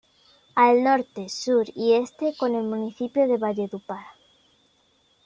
Al Norte, Sur y Este con el Municipio de Valledupar.